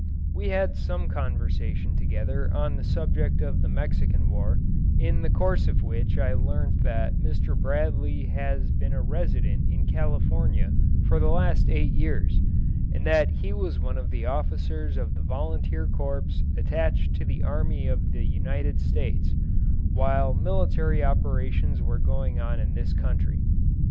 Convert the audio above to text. We had some conversation together on the subject of the Mexican war, in the course of which I learnt that Mr. Bradley has been a resident in California for the last eight years, and that he was one of the officers of the volunteer corps attached to the army of the United States, while military operations were going on in this country.